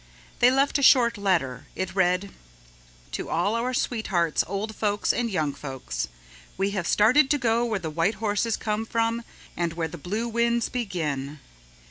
They left a short letter. It read: To All Our Sweethearts, Old Folks and Young Folks: _We have started to go where the white horses come from and where the blue winds begin.